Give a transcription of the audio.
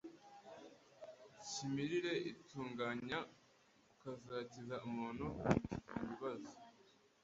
k’imirire itunganye kazakiza umuntu ibibazo